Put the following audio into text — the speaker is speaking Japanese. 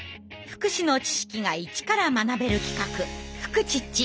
福祉の知識が一から学べる企画「フクチッチ」。